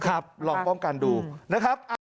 ลองป้องกันดูนะครับ